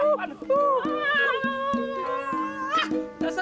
abisan pala duluan sih